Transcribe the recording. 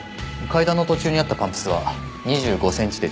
階段の途中にあったパンプスは２５センチで女性用。